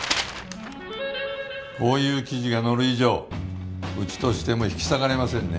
こういう記事が載る以上うちとしても引き下がれませんね